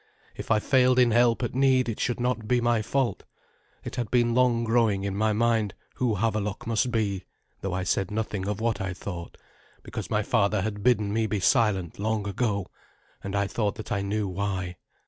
If I failed in help at need it should not be my fault. It had been long growing in my mind who Havelok must be, though I said nothing of what I thought, because my father had bidden me be silent long ago, and I thought that I knew why.